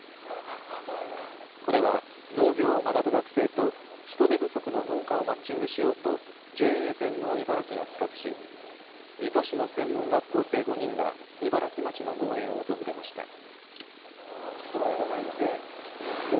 これは農業を学ぶ学生と人手不足の農家をマッチングしようとＪＡ全農いばらきが企画し、水戸市の専門学校生５人が茨城町の農園を訪れました。